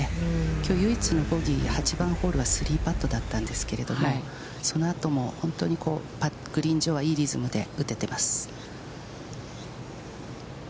きょう唯一のボギー、８番ホールは３パットだったんですけれども、その後も本当にグリーン上は、いいリズムで打てています。